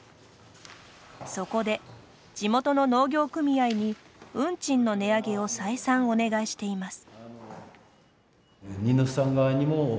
そこで地元の農業組合に運賃の値上げを再三お願いしています。